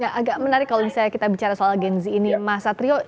ya agak menarik kalau misalnya kita bicara soal gen z ini mas satrio